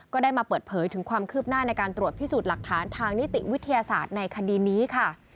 ก็ได้มาเปิดเผยถึงความคืบหน้าในการตรวจพิสูจน์หลักฐานทางนิติวิทยาศาสตร์ในคดีนี้ค่ะ